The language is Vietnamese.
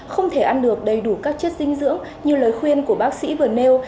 không thể ăn được đầy đủ các chất dinh dưỡng như lời khuyên của bác sĩ vừa nêu